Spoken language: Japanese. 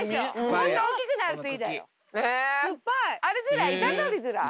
もっと大きくなるといいだよ。